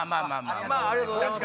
ありがとうございます。